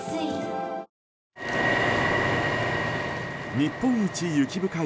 日本一雪深い